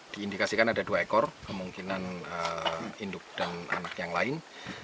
diindikasikan ada dua ekor kemungkinan induk dan anak yang lain